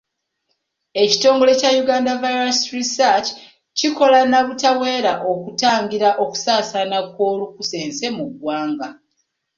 Ekitongole kya Uganda Virus Research kikola na butaweera okutangira okusaasaana kw'olunkusense mu ggwanga.